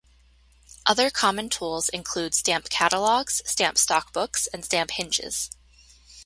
Other common tools include stamp catalogues, stamp stock books and stamp hinges.